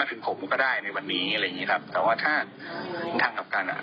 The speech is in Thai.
ถึงผมก็ได้ในวันนี้แต่ว่าถ้างับการ